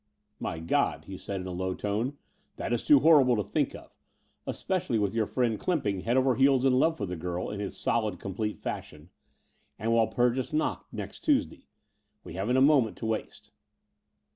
"My God," he said in a low tone, "that is too horrible to think of, especially with your friend Clymping head over ears in love with the girl in his solid, complete fashion, and Walpurgis Nacht next Tuesday. We haven't a moment to waste."